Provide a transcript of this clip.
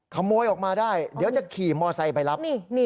ขโมยออกมาได้เดี๋ยวจะขี่มอไซค์ไปรับ